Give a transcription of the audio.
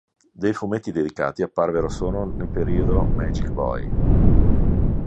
Dei fumetti dedicati apparvero nel periodico Magic Boy.